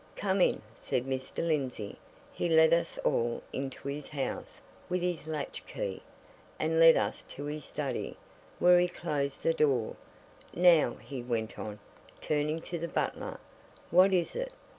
"Come in," said Mr. Lindsey. He let us all into his house with his latch key, and led us to his study, where he closed the door. "Now," he went on, turning to the butler. "What is it?